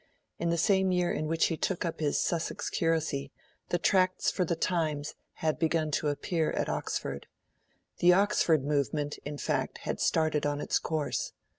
In the same year in which he took up his Sussex curacy, the Tracts for the Times had begun to appear at Oxford. The 'Oxford Movement', in fact, had started on its course.